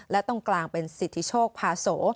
และตรงกลางเป็นสิทธิโชคพาโส